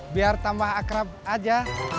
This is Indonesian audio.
biar tambah akrab aja